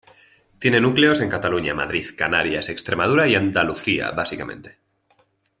Tiene núcleos en Cataluña, Madrid, Canarias, Extremadura y Andalucía básicamente.